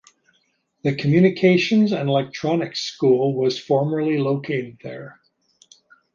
The Communications and Electronics School was formerly located there.